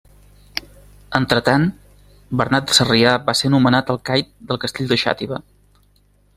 Entretant, Bernat de Sarrià va ser nomenat alcaid del castell de Xàtiva.